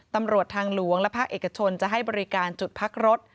ตำรวจทางหลวงและภาคเอกชนจะให้บริการจุดพักรถ